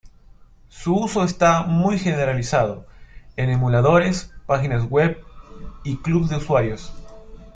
Su uso está muy generalizado en emuladores, páginas web y clubs de usuarios.